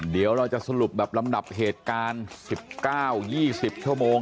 เดี๋ยวเราจะสรุปแบบลำดับเหตุการณ์๑๙๒๐ชั่วโมง